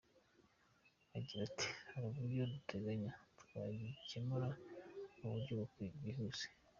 Agira ati “Hari uburyo duteganya twagikemura mu buryo bwihuse.